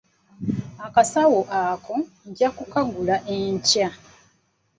Akasawo ako nja kukagula enkya.